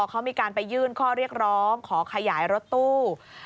เขามีการไปยื่นข้อเรียกร้องขอขยายรถตู้